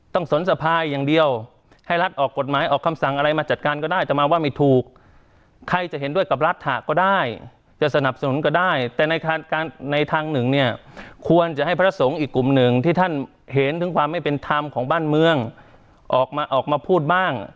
สนสภายอย่างเดียวให้รัฐออกกฎหมายออกคำสั่งอะไรมาจัดการก็ได้แต่มาว่าไม่ถูกใครจะเห็นด้วยกับรัฐะก็ได้จะสนับสนุนก็ได้แต่ในทางหนึ่งเนี่ยควรจะให้พระสงฆ์อีกกลุ่มหนึ่งที่ท่านเห็นถึงความไม่เป็นธรรมของบ้านเมืองออกมาออกมาพูดบ้าง